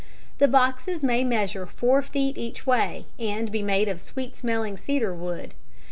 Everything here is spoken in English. The boxes may measure four feet each way and be made of sweet smelling cedar wood.